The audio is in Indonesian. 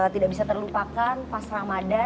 tidak bisa terlupakan pas ramadhan